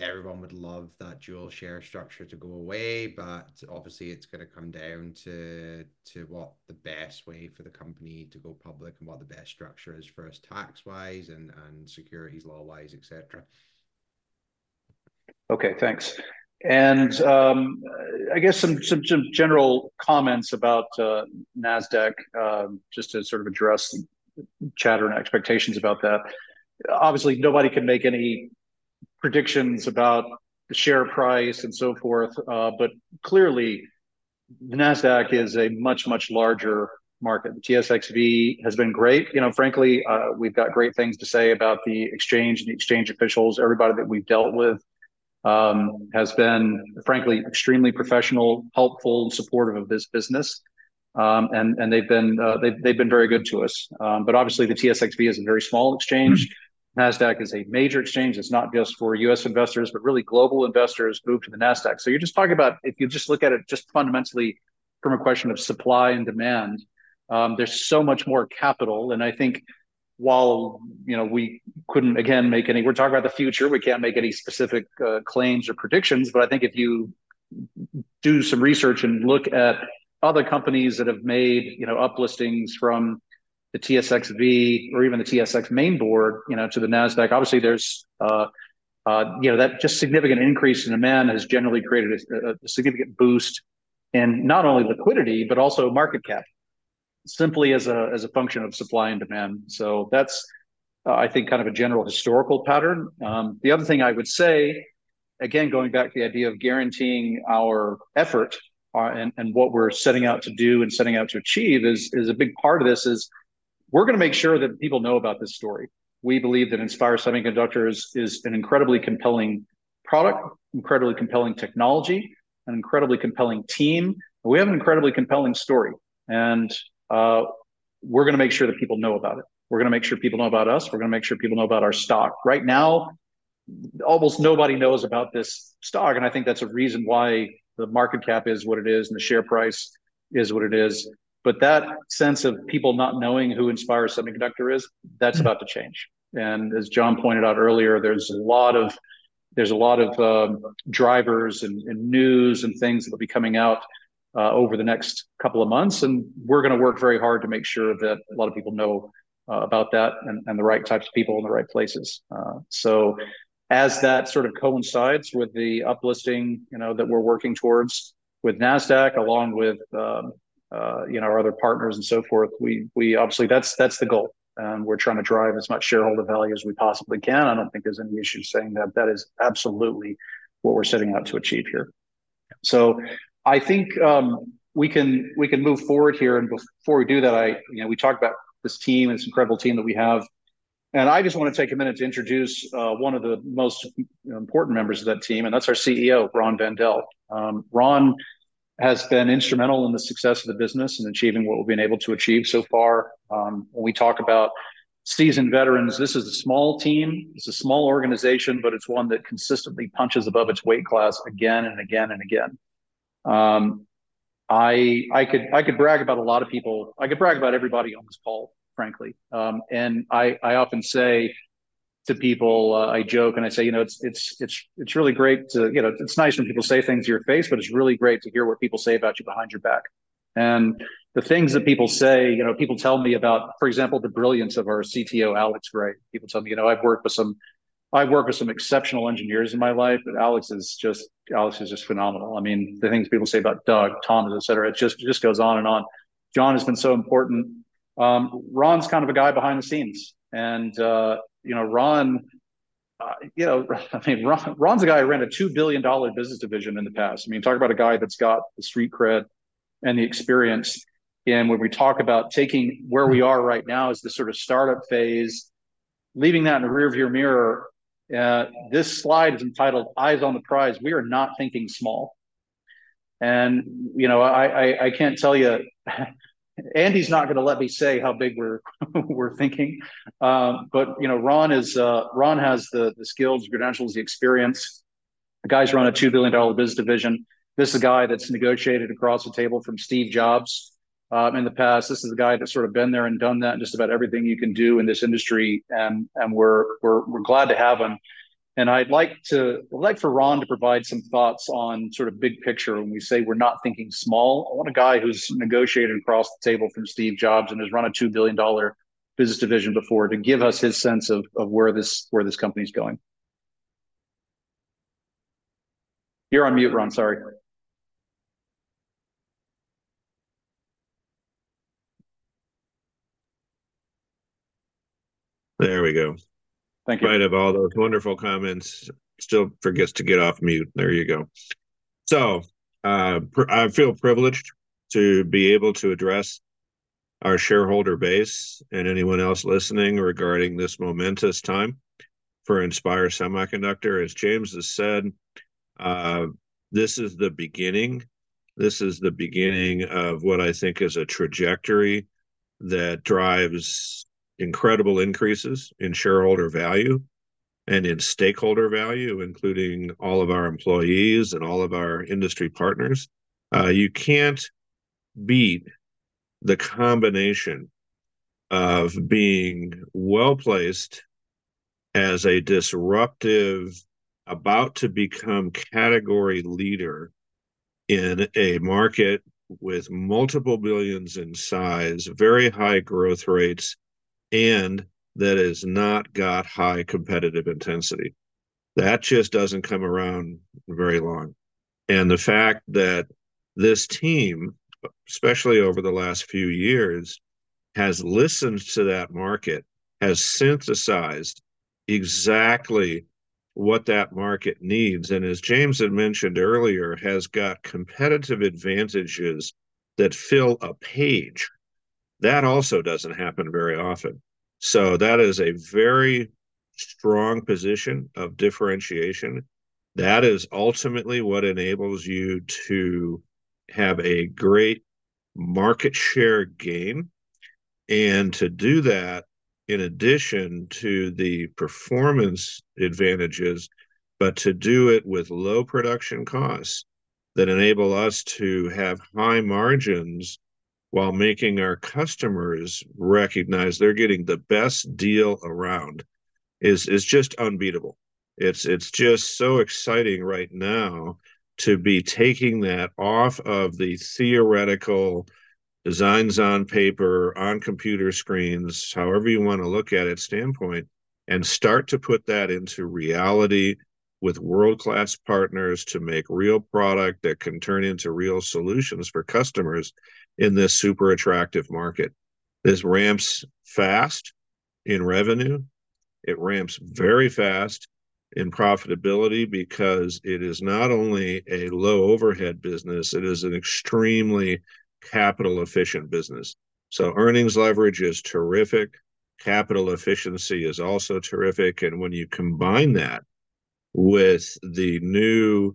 Speaker 6: everyone would love that dual share structure to go away, but obviously, it's going to come down to what the best way for the company to go public and what the best structure is for us tax-wise and securities law-wise, etc.
Speaker 3: Okay, thanks. I guess some general comments about NASDAQ just to sort of address chatter and expectations about that. Obviously, nobody can make any predictions about the share price and so forth, but clearly, NASDAQ is a much, much larger market. The TSXV has been great. Frankly, we've got great things to say about the exchange and the exchange officials. Everybody that we've dealt with has been, frankly, extremely professional, helpful, and supportive of this business. And they've been very good to us. But obviously, the TSXV is a very small exchange. NASDAQ is a major exchange. It's not just for U.S. investors, but really global investors move to the NASDAQ. So you're just talking about, if you just look at it just fundamentally from a question of supply and demand, there's so much more capital. And I think while we couldn't, again, make any, we're talking about the future. We can't make any specific claims or predictions, but I think if you do some research and look at other companies that have made uplistings from the TSXV or even the TSX main board to the NASDAQ, obviously, there's that just significant increase in demand has generally created a significant boost in not only liquidity, but also market cap, simply as a function of supply and demand. So that's, I think, kind of a general historical pattern. The other thing I would say, again, going back to the idea of guaranteeing our effort and what we're setting out to do and setting out to achieve is a big part of this is we're going to make sure that people know about this story. We believe that Inspire Semiconductor is an incredibly compelling product, incredibly compelling technology, an incredibly compelling team. We have an incredibly compelling story. We're going to make sure that people know about it. We're going to make sure people know about us. We're going to make sure people know about our stock. Right now, almost nobody knows about this stock. I think that's a reason why the market cap is what it is and the share price is what it is. But that sense of people not knowing who Inspire Semiconductor is, that's about to change. As John pointed out earlier, there's a lot of drivers and news and things that will be coming out over the next couple of months. We're going to work very hard to make sure that a lot of people know about that and the right types of people in the right places. So, as that sort of coincides with the uplisting that we're working towards with NASDAQ, along with our other partners and so forth, obviously, that's the goal. We're trying to drive as much shareholder value as we possibly can. I don't think there's any issue saying that. That is absolutely what we're setting out to achieve here. I think we can move forward here. Before we do that, we talked about this team and this incredible team that we have. I just want to take a minute to introduce one of the most important members of that team. That's our Chief Executive Officer, Ron Van Dell. Ron has been instrumental in the success of the business and achieving what we've been able to achieve so far. When we talk about seasoned veterans, this is a small team. It's a small organization, but it's one that consistently punches above its weight class again and again and again. I could brag about a lot of people. I could brag about everybody on this call, frankly. And I often say to people, I joke and I say, "It's really great to—it's nice when people say things to your face, but it's really great to hear what people say about you behind your back." And the things that people say, people tell me about, for example, the brilliance of our CTO, Alex Gray. People tell me, "I've worked with some exceptional engineers in my life, but Alex is just phenomenal." I mean, the things people say about Doug, Thomas, etc., it just goes on and on. John has been so important. Ron's kind of a guy behind the scenes. And Ron, I mean, Ron's a guy who ran a $2 billion business division in the past. I mean, talk about a guy that's got the street cred and the experience. And when we talk about taking where we are right now as the sort of startup phase, leaving that in a rearview mirror, this slide is entitled "Eyes on the Prize." We are not thinking small. And I can't tell you, Andy's not going to let me say how big we're thinking. But Ron has the skills, the credentials, the experience. The guy's run a $2 billion business division. This is a guy that's negotiated across the table from Steve Jobs in the past. This is the guy that's sort of been there and done that and just about everything you can do in this industry. And we're glad to have him. I'd like for Ron to provide some thoughts on sort of big picture when we say we're not thinking small. I want a guy who's negotiated across the table from Steve Jobs and has run a $2 billion business division before to give us his sense of where this company's going. You're on mute, Ron. Sorry.
Speaker 7: There we go.
Speaker 3: Thank you.
Speaker 7: Right off all those wonderful comments. Still forgets to get off mute. There you go. So I feel privileged to be able to address our shareholder base and anyone else listening regarding this momentous time for Inspire Semiconductor. As James has said, this is the beginning. This is the beginning of what I think is a trajectory that drives incredible increases in shareholder value and in stakeholder value, including all of our employees and all of our industry partners. You can't beat the combination of being well-placed as a disruptive, about-to-become category leader in a market with multiple billions in size, very high growth rates, and that has not got high competitive intensity. That just doesn't come around very long. The fact that this team, especially over the last few years, has listened to that market, has synthesized exactly what that market needs, and as James had mentioned earlier, has got competitive advantages that fill a page. That also doesn't happen very often. That is a very strong position of differentiation. That is ultimately what enables you to have a great market share gain and to do that in addition to the performance advantages, but to do it with low production costs that enable us to have high margins while making our customers recognize they're getting the best deal around is just unbeatable. It's just so exciting right now to be taking that off of the theoretical designs on paper, on computer screens, however you want to look at it, standpoint, and start to put that into reality with world-class partners to make real product that can turn into real solutions for customers in this super attractive market. This ramps fast in revenue. It ramps very fast in profitability because it is not only a low overhead business, it is an extremely capital-efficient business. So earnings leverage is terrific. Capital efficiency is also terrific. And when you combine that with the new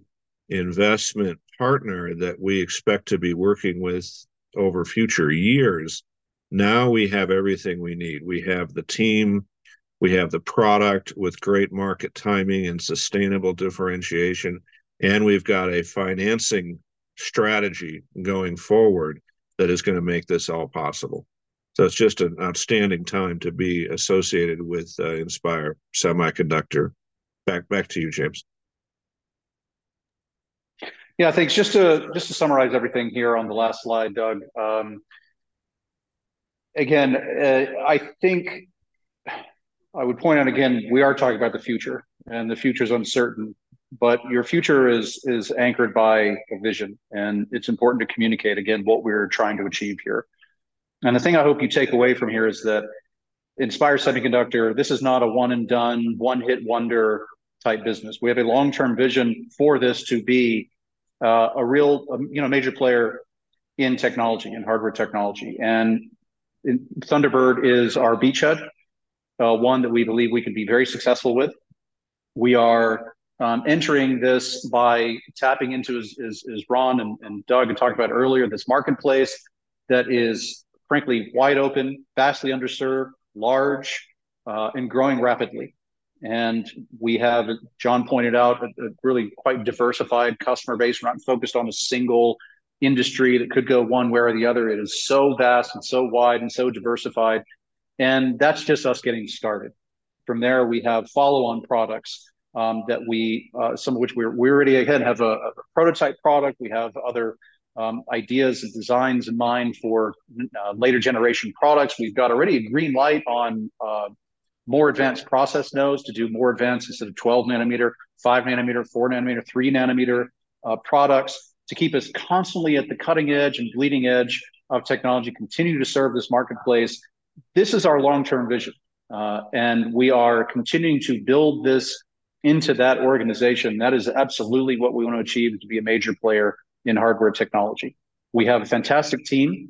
Speaker 7: investment partner that we expect to be working with over future years, now we have everything we need. We have the team. We have the product with great market timing and sustainable differentiation. And we've got a financing strategy going forward that is going to make this all possible. So it's just an outstanding time to be associated with Inspire Semiconductor. Back to you, James.
Speaker 3: Yeah, thanks. Just to summarize everything here on the last slide, Doug. Again, I think I would point out again, we are talking about the future, and the future is uncertain, but your future is anchored by a vision. It's important to communicate, again, what we're trying to achieve here. The thing I hope you take away from here is that Inspire Semiconductor, this is not a one-and-done, one-hit-wonder type business. We have a long-term vision for this to be a real major player in technology, in hardware technology. Thunderbird is our beachhead, one that we believe we can be very successful with. We are entering this by tapping into as Ron and Doug had talked about earlier, this marketplace that is, frankly, wide open, vastly underserved, large, and growing rapidly. We have, as John pointed out, a really quite diversified customer base. We're not focused on a single industry that could go one way or the other. It is so vast and so wide and so diversified. That's just us getting started. From there, we have follow-on products that we, some of which we already again have a prototype product. We have other ideas and designs in mind for later generation products. We've got already a green light on more advanced process nodes to do more advanced instead of 12-nanometer, 5-nanometer, 4-nanometer, 3-nanometer products to keep us constantly at the cutting edge and bleeding edge of technology, continue to serve this marketplace. This is our long-term vision. We are continuing to build this into that organization. That is absolutely what we want to achieve to be a major player in hardware technology. We have a fantastic team.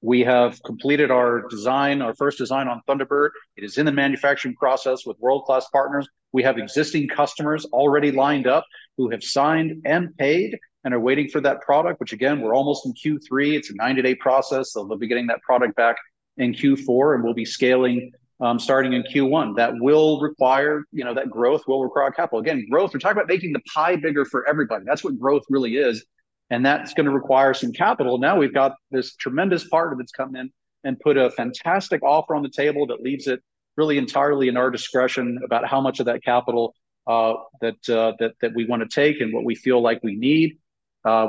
Speaker 3: We have completed our design, our first design on Thunderbird. It is in the manufacturing process with world-class partners. We have existing customers already lined up who have signed and paid and are waiting for that product, which, again, we're almost in Q3. It's a 90-day process. They'll be getting that product back in Q4, and we'll be scaling starting in Q1. That will require that growth will require capital. Again, growth, we're talking about making the pie bigger for everybody. That's what growth really is. And that's going to require some capital. Now we've got this tremendous part that's come in and put a fantastic offer on the table that leaves it really entirely in our discretion about how much of that capital that we want to take and what we feel like we need.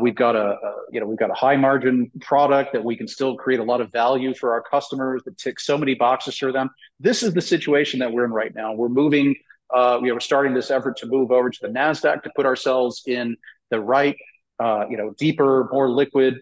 Speaker 3: We've got a high-margin product that we can still create a lot of value for our customers that ticks so many boxes for them. This is the situation that we're in right now. We're moving. We are starting this effort to move over to the NASDAQ to put ourselves in the right, deeper, more liquid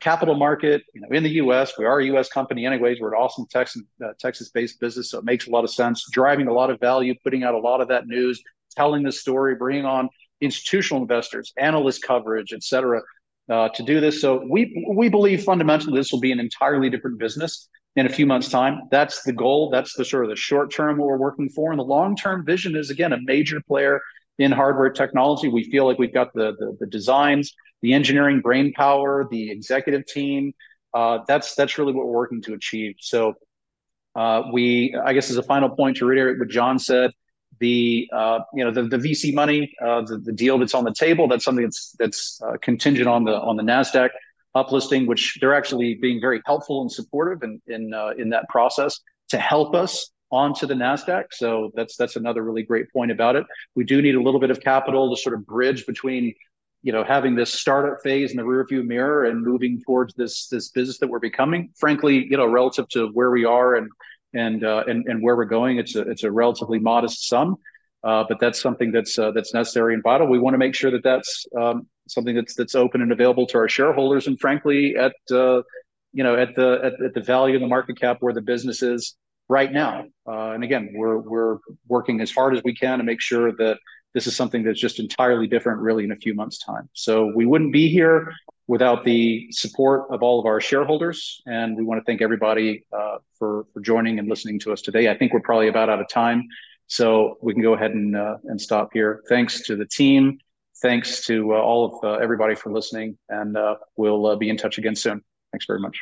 Speaker 3: capital market in the U.S. We are a U.S. company anyways. We're an awesome Texas-based business, so it makes a lot of sense. Driving a lot of value, putting out a lot of that news, telling the story, bringing on institutional investors, analyst coverage, etc. to do this. So we believe fundamentally this will be an entirely different business in a few months' time. That's the goal. That's the sort of the short term what we're working for. And the long-term vision is, again, a major player in hardware technology. We feel like we've got the designs, the engineering brainpower, the executive team. That's really what we're working to achieve. So I guess as a final point to reiterate what John said, the VC money, the deal that's on the table, that's something that's contingent on the NASDAQ uplisting, which they're actually being very helpful and supportive in that process to help us onto the NASDAQ. So that's another really great point about it. We do need a little bit of capital to sort of bridge between having this startup phase in the rearview mirror and moving towards this business that we're becoming. Frankly, relative to where we are and where we're going, it's a relatively modest sum. But that's something that's necessary and vital. We want to make sure that that's something that's open and available to our shareholders. And frankly, at the value of the market cap where the business is right now. Again, we're working as hard as we can to make sure that this is something that's just entirely different, really, in a few months' time. We wouldn't be here without the support of all of our shareholders. We want to thank everybody for joining and listening to us today. I think we're probably about out of time. We can go ahead and stop here. Thanks to the team. Thanks to all of everybody for listening. We'll be in touch again soon. Thanks very much.